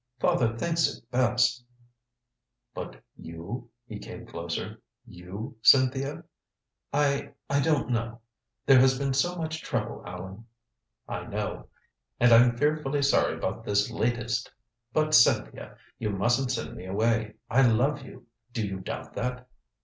"Father thinks it best " "But you?" He came closer. "You, Cynthia?" "I I don't know. There has been so much trouble, Allan " "I know. And I'm fearfully sorry about this latest. But, Cynthia you mustn't send me away I love you. Do you doubt that?"